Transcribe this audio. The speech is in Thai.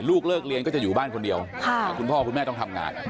ลูกเลิกเรียนก็จะอยู่บ้านคนเดียวคุณพ่อคุณแม่ต้องทำงาน